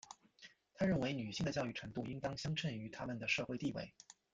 她认为女性的教育程度应当相称于她们的社会地位。